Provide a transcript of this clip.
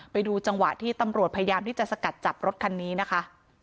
ไปดูจังหวะที่ตำรวจพยายามที่จะสกัดจับรถคันนี้นะคะ